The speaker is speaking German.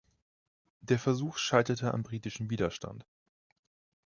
Der Versuch scheiterte am britischen Widerstand.